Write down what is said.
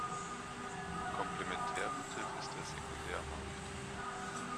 Komplementärbegriff ist der Sekundärmarkt.